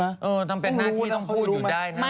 เออทำเป็นหน้าที่ต้องพูดอยู่ได้นะ